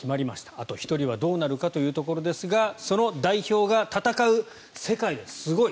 あと１人はどうなるかというところですがその代表が戦う世界がすごい。